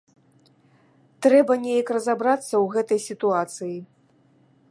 Трэба неяк разабрацца ў гэтай сітуацыі.